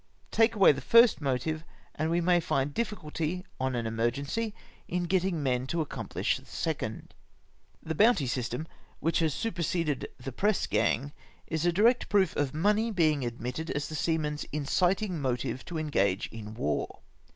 Take away the first motive, and we may find difficulty, on an emergency, m getting men to accomplish the second. The bounty system, which has superseded the press gang, is a direct proof of money being admitted as the seaman's mcitmg motive to engage in war.